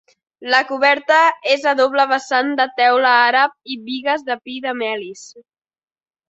La coberta és a doble vessant de teula àrab i bigues de pi de melis.